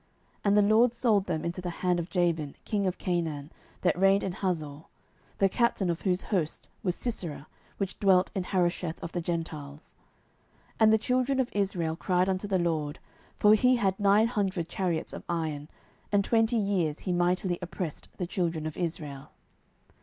07:004:002 And the LORD sold them into the hand of Jabin king of Canaan, that reigned in Hazor; the captain of whose host was Sisera, which dwelt in Harosheth of the Gentiles. 07:004:003 And the children of Israel cried unto the LORD: for he had nine hundred chariots of iron; and twenty years he mightily oppressed the children of Israel.